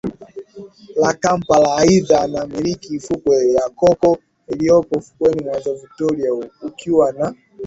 la Kampala Aidha anamiliki fukwe ya Coco iliyopo ufukweni mwa Ziwa Victoria kukiwa na